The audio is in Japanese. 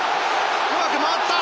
うまく回った！